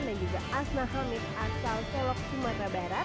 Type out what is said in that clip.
dan juga asnah hamid asal telok sumatera barat